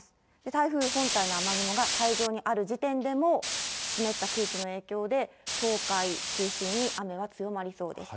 台風本体の雨雲が海上にある時点でもう湿った空気の影響で、東海中心に雨は強まりそうです。